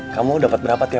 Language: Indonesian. kamu dapat berapa tiap bulan